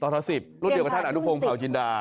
ท๑๐รุ่นเดียวกับท่านอนุพงศ์เผาจินดา